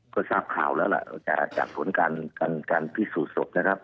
พอทราบข่าวแล้วนะจากสมาวนการทดสอบนะครับ